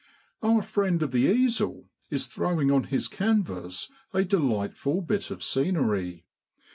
Our friend of the easel is throwing on his canvas a delightful bit of scenery.